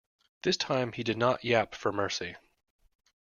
This time he did not yap for mercy.